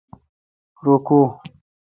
رو کو?